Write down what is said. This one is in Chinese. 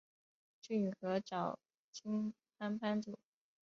骏河沼津藩藩主。